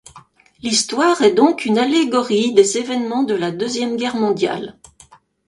L'histoire est donc une allégorie des événements de la Deuxième Guerre mondiale.